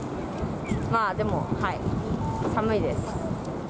まあでも、寒いです。